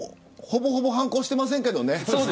ほぼほぼ反抗してませんけどね